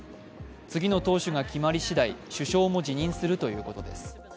次の党首が決まりしだい、首相も辞任するということです。